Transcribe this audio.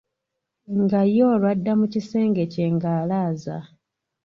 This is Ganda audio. Nga ye olwo adda mu kisenge kye ng'alaaza.